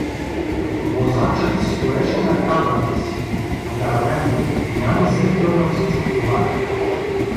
Возачът стоеше на капрата си, вдървен, ням зрител на всичко това.